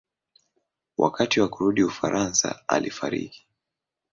Wakati wa kurudi Ufaransa alifariki.